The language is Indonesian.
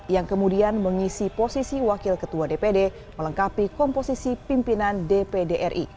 yang kemudian mengisi posisi wakil ketua dpd melengkapi komposisi pimpinan dpd ri